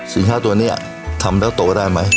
สินค้าตัวนี้ทำแล้วโตได้ไหม